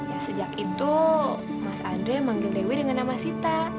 ya sejak itu mas ade manggil dewi dengan nama sita